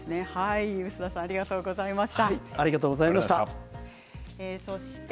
碓田さんありがとうございました。